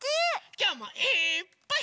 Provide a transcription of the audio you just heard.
きょうもいっぱい。